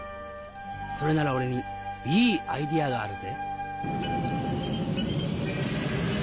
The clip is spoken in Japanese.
それなら俺にいいアイデアがあるぜ。